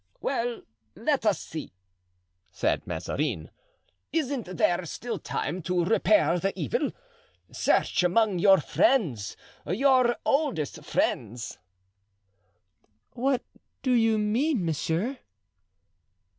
"Well, let us see," said Mazarin; "isn't there still time to repair the evil? Search among your friends, your oldest friends." "What do you mean, monsieur?"